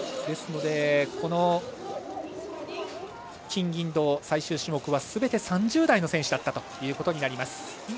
ですので金、銀、銅、最終種目はすべて３０代の選手だったということになります。